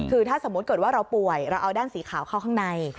คือถ้าสมมุติเกิดว่าเราป่วยเราเอาด้านสีขาวเข้าข้างใน